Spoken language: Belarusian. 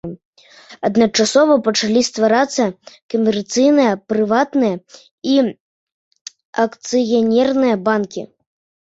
Адначасова пачалі стварацца камерцыйныя прыватныя і акцыянерныя банкі.